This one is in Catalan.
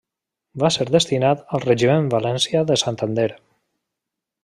Va ser destinat al Regiment València de Santander.